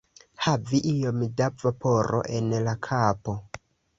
Havi iom da vaporo en la kapo.